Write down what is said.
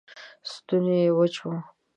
ستونی یې وچ و